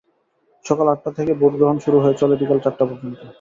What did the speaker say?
সকাল আটটা থেকে ভোট গ্রহণ শুরু হয়ে চলে বিকেল চারটা পর্যন্ত।